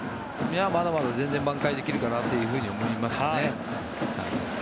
まだまだ全然ばん回できると思いますね。